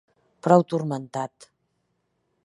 Prou turmentat.